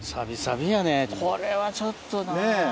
これはちょっとな。